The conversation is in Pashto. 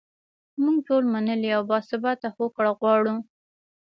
موږ ټول منلې او باثباته هوکړه غواړو.